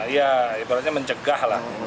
ya ibaratnya mencegah lah